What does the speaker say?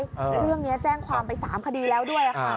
เรื่องนี้แจ้งความไป๓คดีแล้วด้วยค่ะ